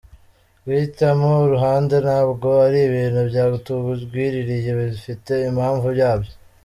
Guhitamo i Ruhande ntabwo ari ibintu byatugwiririye, bifite impamvu yabyo.